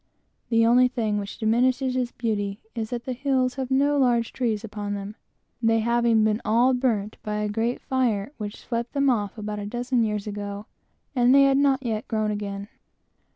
The only thing which diminishes its beauty is, that the hills have no large trees upon them, they having been all burnt by a great fire which swept them off about a dozen years before, and they had not yet grown up again.